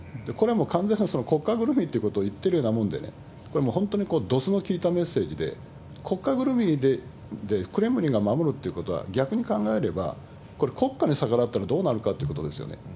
これはもう完全に国家ぐるみってことを言ってるようなものでね、これもう本当にどすの効いたメッセージで、国家ぐるみでクレムリンが守るってことは、逆に考えれば、これ、国家に逆らったらどうなるかってことですよね。